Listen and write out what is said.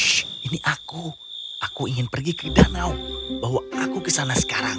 sh ini aku aku ingin pergi ke danau bawa aku ke sana sekarang